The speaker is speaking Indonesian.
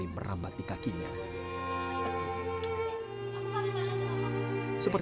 adalah waktu minggu depan